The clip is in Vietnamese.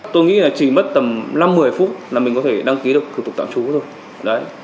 tôi nghĩ là chỉ mất tầm năm một mươi phút là mình có thể đăng ký được thủ tục tạm trú thôi